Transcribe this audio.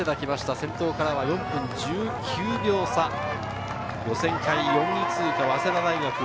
先頭とは４分１９秒差、予選会４位通過の早稲田大学。